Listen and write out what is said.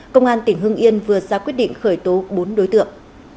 công an tỉnh hưng yên vừa ra quyết định khởi tố bốn đối tượng